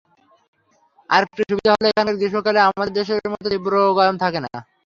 আরেকটি সুবিধা হলো এখানকার গ্রীষ্মকালে আমাদের দেশের মতো তীব্র গরম থাকে না।